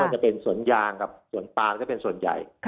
แล้วจะเป็นศูนย์ยางกับศูนย์ปลาก็เป็นศูนย์ใหญ่